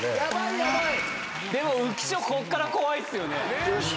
でも浮所こっから怖いっすよね。